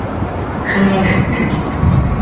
Xiijc.